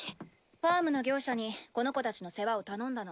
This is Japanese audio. ファームの業者にこの子たちの世話を頼んだの。